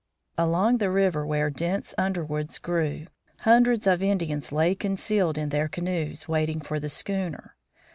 Along the river where dense underwoods grew, hundreds of Indians lay concealed with their canoes, waiting for the schooner.